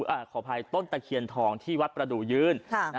อ่าขออภัยต้นตะเขียนทองที่วัดประดุยืนค่ะนะฮะ